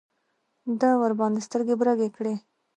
ده ورباندې سترګې برګې کړې.